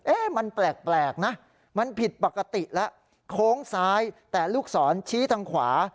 มันแปลกนะมันผิดปกติแล้วโค้งซ้ายแต่ลูกศรชี้ทางขวา